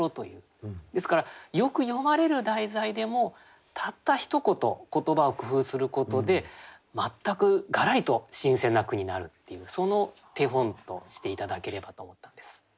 ですからよく詠まれる題材でもたったひと言言葉を工夫することで全くがらりと新鮮な句になるっていうその手本として頂ければと思ったんです。